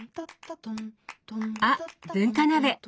あ文化鍋！